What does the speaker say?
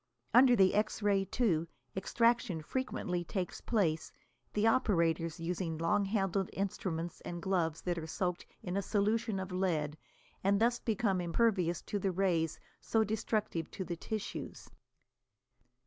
Under the X ray, too, extraction frequently takes place, the operators using long handled instruments and gloves that are soaked in a solution of lead and thus become impervious to the rays so destructive to the tissues.